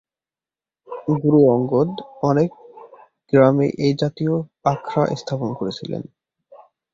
গুরু অঙ্গদ অনেক গ্রামে এই জাতীয় আখড়া স্থাপন করেছিলেন।